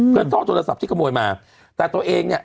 เพื่อเข้าโทรศัพท์ที่ขโมยมาแต่ตัวเองเนี่ย